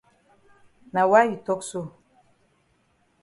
Na why you tok so?